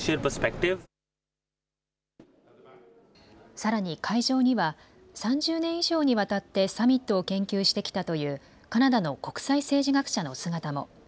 さらに会場には、３０年以上にわたってサミットを研究してきたという、カナダの国際政治学者の姿も。